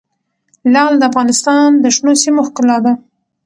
لعل د افغانستان د شنو سیمو ښکلا ده.